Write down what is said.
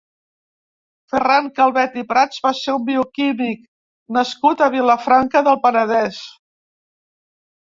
Ferran Calvet i Prats va ser un bioquímic nascut a Vilafranca del Penedès.